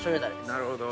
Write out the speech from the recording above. なるほど。